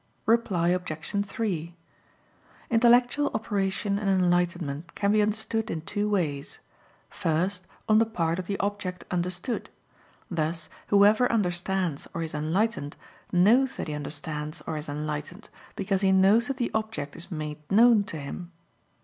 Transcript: Reply Obj. 3: Intellectual operation and enlightenment can be understood in two ways. First, on the part of the object understood; thus whoever understands or is enlightened, knows that he understands or is enlightened, because he knows that the object is made known to him.